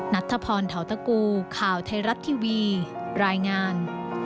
นัทธพรเทาตะกูข่าวไทยรัฐทีวีรายงาน